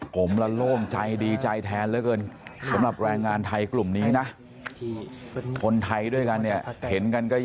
ครับเขาต่อลับครับครับเขาต่อลับอุ้งไทยน้ำกันครับ